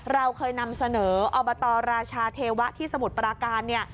เราเคยนำเสนออบตราชาเทวะที่สมุทรปราการเนี่ย